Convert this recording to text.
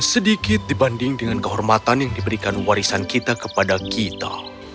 sedikit dibanding dengan kehormatan yang diberikan warisan kita kepada kita